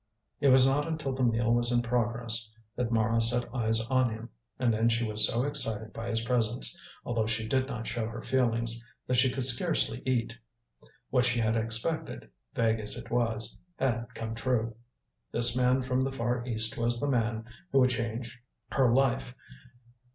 It was not until the meal was in progress that Mara set eyes on him, and then she was so excited by his presence, although she did not show her feelings, that she could scarcely eat. What she had expected vague as it was had come true. This man from the Far East was the man who would change her life.